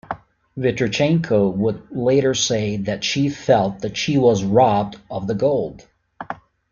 Vitrichenko would later say that she felt that she was robbed of the gold.